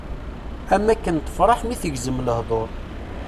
Am wakken tefreḥ mi tegzem lehdur.